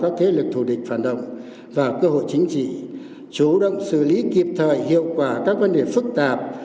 các thế lực thù địch phản động và cơ hội chính trị chủ động xử lý kịp thời hiệu quả các vấn đề phức tạp